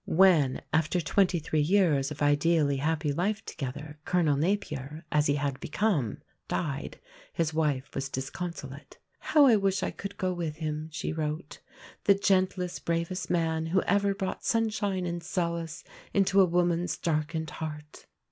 When, after twenty three years of ideally happy life together, Colonel Napier (as he had become) died, his widow was disconsolate. "How I wish I could go with him," she wrote; "the gentlest, bravest man who ever brought sunshine and solace into a woman's darkened heart."